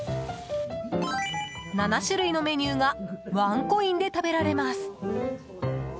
７種類のメニューがワンコインで食べられます。